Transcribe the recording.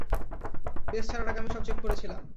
Base ছাড়ার আগে আমি সব চেক করেছিলাম।